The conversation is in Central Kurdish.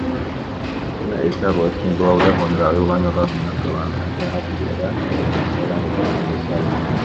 هیچی نەبوو یاریدەی کوڕەکەی پێ بدا